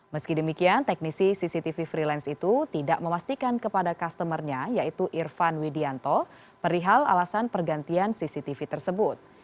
meski demikian teknisi cctv freelance itu tidak memastikan kepada customer nya yaitu irfan widianto perihal alasan pergantian cctv tersebut